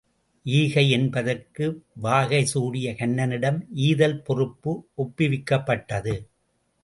ஈகை என்பதற்கு வாகை சூடிய கன்னனிடம் ஈதல் பொறுப்பு ஒப்புவிக்கப்பட்டது.